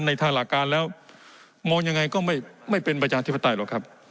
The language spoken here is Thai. ทางหลักการแล้วมองยังไงก็ไม่เป็นประชาธิปไตยหรอกครับ